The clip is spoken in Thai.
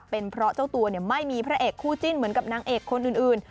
เป็นเพราะเจ้าตัวไม่มีพระเอกคู่จิ้นเหมือนกับนางเอกคนอื่น